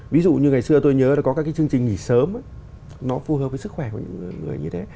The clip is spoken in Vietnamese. ví dụ như ngày xưa tôi nhớ là có các cái chương trình nghỉ sớm nó phù hợp với sức khỏe của những người như thế